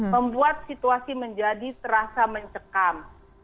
membuat situasi menjadi terasa mencekam